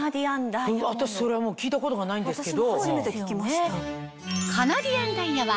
私それは聞いたことがないんですけど。